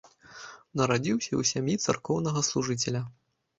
Нарадзіўся ў сям'і царкоўнага служыцеля.